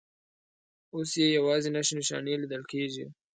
اوس یې یوازې نښې نښانې لیدل کېږي.